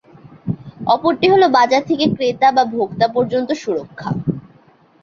অপরটি হল বাজার থেকে ক্রেতা বা ভোক্তা পর্যন্ত সুরক্ষা।